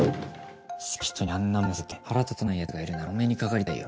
好きな人にあんなまねされて腹立たないヤツがいるならお目にかかりたいよ。